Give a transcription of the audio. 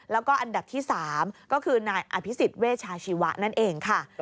แล้วก็อันดับที่๓ก็คือนายอภิษฎเวชาชีวะนั่นเองค่ะ